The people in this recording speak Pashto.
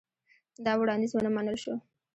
دا وړاندیز ونه منل شو.